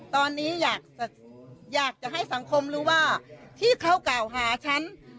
ตอนนี้อยากจะให้สังคมรู้ว่าที่เขากล่าวหาฉัน